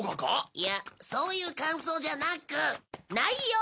いやそういう感想じゃなく内容の！